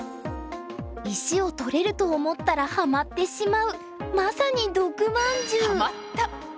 石を取れると思ったらハマってしまうまさに毒まんじゅう。